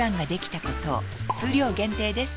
数量限定です